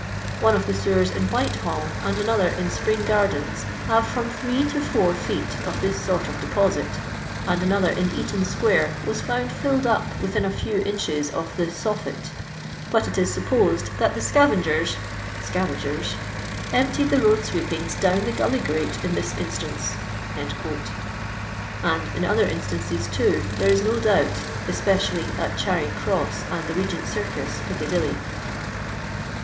" One of the sewers in Whitehall and another in Spring gardens have from three to four feet of this sort of deposit ; and another in Eaton square was found filled up within a few inches of the 'soffit,' but it is supposed that the scavengers (scavagers) emptied the road sweepings down the gully gtate in this instance;" and in other in ftances, too, there is no doubt — especially at Charing Gnns, and the Regent Circus, Piccadilly.